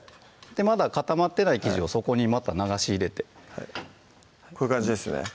まだ固まってない生地をそこにまた流し入れてこういう感じですね